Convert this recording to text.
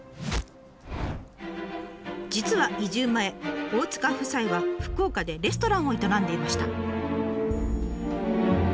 実は移住前大塚夫妻は福岡でレストランを営んでいました。